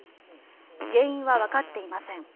原因はわかっていません。